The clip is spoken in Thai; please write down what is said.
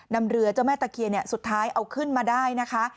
นำเรือเจ้าแม่ตะเคียนสุดท้ายเอาขึ้นมาได้นะคะ